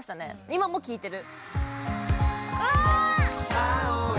今も聴いてる。